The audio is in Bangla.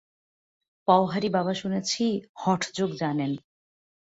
পওহারী বাবা শুনেছি, হঠযোগ জানেন।